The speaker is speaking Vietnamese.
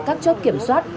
các chốt kiểm soát